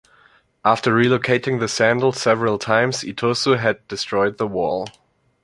After relocating the sandal several times, Itosu had destroyed the wall.